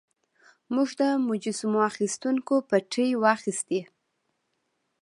موږ د مجسمو اخیستونکو پتې واخیستې.